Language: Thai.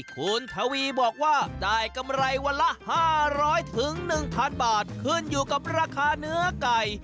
คุณทวีบอกว่าได้กำไรวันละ๕๐๐๑๐๐บาทขึ้นอยู่กับราคาเนื้อไก่